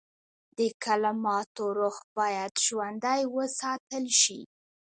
د کلماتو روح باید ژوندی وساتل شي.